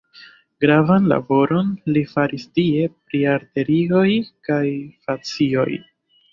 Gravan laboron li faris tie pri arterioj kaj fascioj.